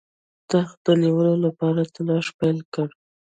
تخت د نیولو لپاره تلاښ پیل کړ.